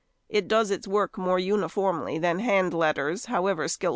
It does its work more uniformly than hand letters, however skillfully used.